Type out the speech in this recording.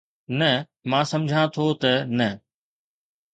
نه، مان سمجهان ٿو ته نه